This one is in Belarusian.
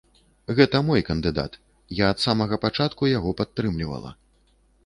Гэта мой кандыдат, я ад самага пачатку яго падтрымлівала.